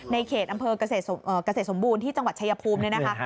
ในเขตอำเภอกเกษตรสมบูรณ์ที่จังหวัดเชยภูมิ